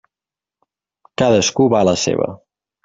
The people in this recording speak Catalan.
Cadascú va a la seva.